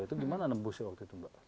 itu gimana nembusnya waktu itu mbak